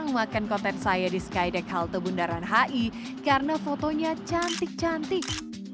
saya sudah mencoba konten saya di skydeck halte bundaran hi karena fotonya cantik cantik